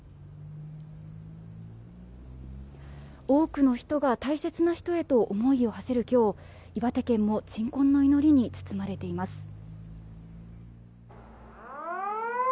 多くの人が大切な人へと思いをはせる今日岩手県も鎮魂の祈りに包まれています。